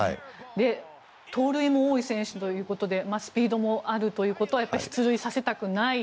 盗塁も多い選手ということでスピードもあるということは出塁させたくない選手。